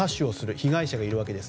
被害者がいるわけです。